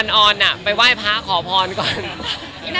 เจ้าใจมากค่ะ